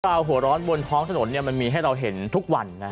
หัวร้อนบนท้องถนนมันมีให้เราเห็นทุกวัน